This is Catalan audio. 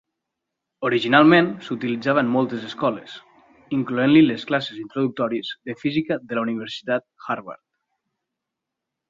Originalment s'utilitzava en moltes escoles, incloent-hi les classes introductòries de Física de la Universitat Harvard.